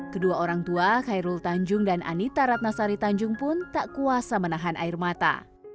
kedua orang tua khairul tanjung dan anita ratnasari tanjung pun tak kuasa menahan air mata